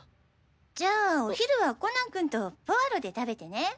じゃあお昼はコナン君とポアロで食べてね！